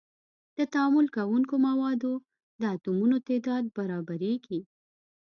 د تعامل کوونکو موادو د اتومونو تعداد برابریږي.